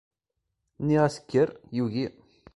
Nniɣ-as kker, yugi.